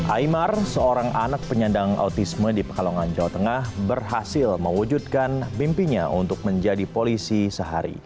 aymar seorang anak penyandang autisme di pekalongan jawa tengah berhasil mewujudkan mimpinya untuk menjadi polisi sehari